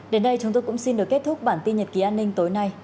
đến đây chúng tôi cũng xin được kết thúc bản tin nhật ký an ninh tối nay